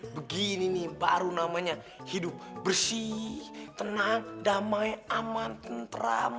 begini nih baru namanya hidup bersih tenang damai aman tentram